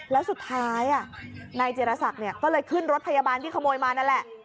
แล้วสุดท้ายนายจิรศักดิ์ก็เลยขึ้นรถพยาบาลที่ขโมยมานั่นแหละ